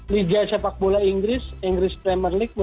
liga sepak bola inggris english premier league menurut saya sih tujuan